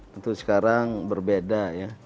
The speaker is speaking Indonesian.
tentu sekarang berbeda